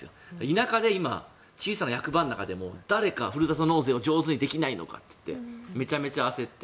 田舎で今、小さな役場の中でも誰かふるさと納税を上手にできないのかとめちゃめちゃ焦ってて。